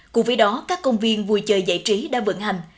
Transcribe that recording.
cùng với đó các công viên vui chơi giải trí đã vận hành